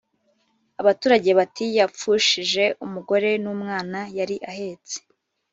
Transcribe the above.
abaturage bati:"Yapfushije umugore n' umwana yari ahetse?